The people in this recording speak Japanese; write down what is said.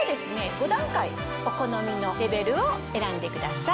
お好みのレベルを選んでください。